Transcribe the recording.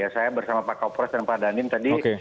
saya bersama pak kauperos dan pak danin tadi